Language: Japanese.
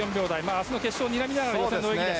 明日の決勝をにらみながらの予選の泳ぎです。